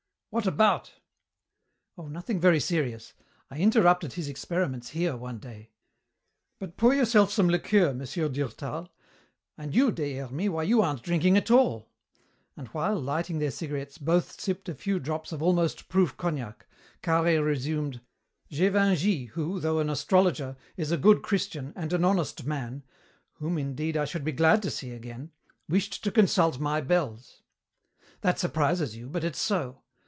"What about?" "Oh, nothing very serious. I interrupted his experiments here one day. But pour yourself some liqueur, Monsieur Durtal, and you, Des Hermies, why, you aren't drinking at all," and while, lighting their cigarettes, both sipped a few drops of almost proof cognac, Carhaix resumed, "Gévingey, who, though an astrologer, is a good Christian and an honest man whom, indeed, I should be glad to see again wished to consult my bells. "That surprises you, but it's so.